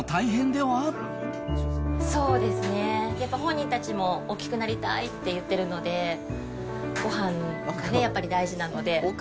そうですね、やっぱり本人たちも大きくなりたいって言ってるので、ごはんがやっぱり大事なので。